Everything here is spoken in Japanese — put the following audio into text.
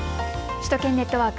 首都圏ネットワーク。